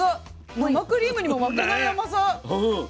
生クリームにも負けない甘さ。